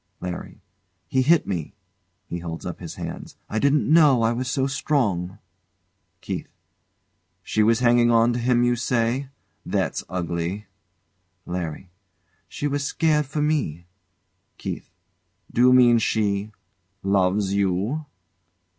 LARRY. He hit me. [He holds up his hands] I didn't know I was so strong. KEITH. She was hanging on to him, you say? That's ugly. LARRY. She was scared for me. KEITH. D'you mean she loves you?